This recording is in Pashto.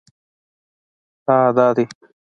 _هه! دا دی!